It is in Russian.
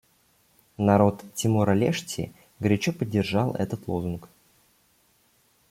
Народ Тимора-Лешти горячо поддержал этот лозунг.